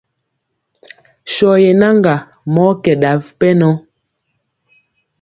Sɔ yenaŋga mɔ kɛ ɗa wi pɛnɔ.